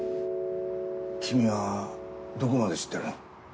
君はどこまで知ってるの？